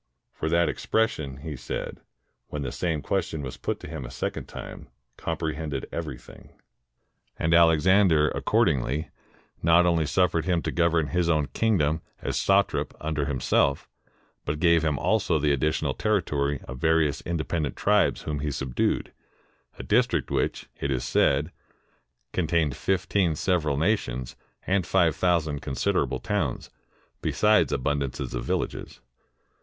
For that expression, he said, when the same question was put to him a second time, comprehended everything. And Alexander, accordingly, not only suffered him to govern his own kingdom as satrap under himself, but gave him also the additional territory of various independent tribes whom he subdued, a district which, it is said, con tained fifteen several nations, and five thousand consid erable towns, besides abundance of villages.